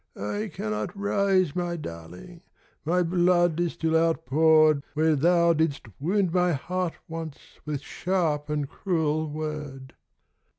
"I cannot rise, my darling, My blood is still outpoured Where thou didst wound my heart once With sharp and cruel word."